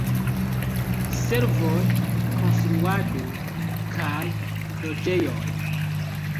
Servoj, konstruado kaj loĝejoj.